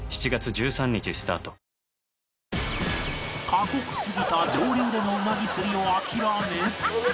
過酷すぎた上流でのウナギ釣りを諦め